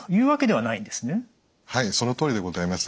はいそのとおりでございます。